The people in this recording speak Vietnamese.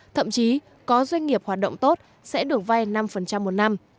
thậm chí có doanh nghiệp hoạt động tốt sẽ được vay năm một năm